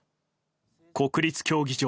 国立競技場